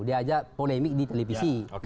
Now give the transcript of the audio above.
diajak polemik di televisi